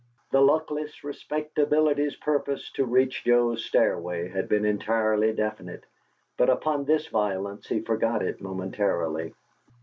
The luckless Respectability's purpose to reach Joe's stairway had been entirely definite, but upon this violence he forgot it momentarily.